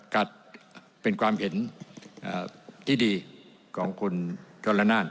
กับเป็นความเห็นที่ดีของคุณกลนาน